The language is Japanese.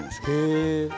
へえ。